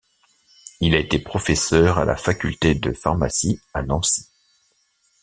Il a été professeur à la Faculté de Pharmacie à Nancy.